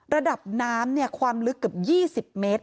ระดับน้ำความลึกเกือบ๒๐เมตร